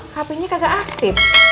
hpnya kagak aktif